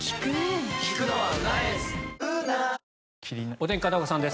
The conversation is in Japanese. お天気、片岡さんです。